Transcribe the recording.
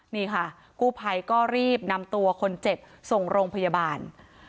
นี่ค่ะกู้ภัยก็รีบนำตัวคนเจ็บส่งโรงพยาบาล